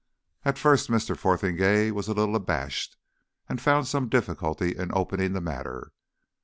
At first Mr. Fotheringay was a little abashed, and found some difficulty in opening the matter.